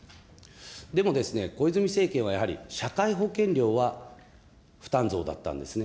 でも、小泉政権はやはり、社会保険料は負担増だったんですね。